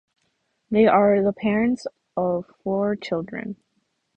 They are the parents of four children.